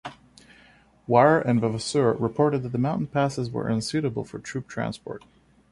Warre and Vavasour reported that the mountain passes were unsuitable for troop transport.